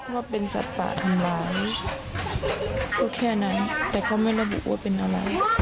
ว่าเป็นสัตว์ป่าทำร้ายก็แค่นั้นแต่เขาไม่ระบุว่าเป็นอะไร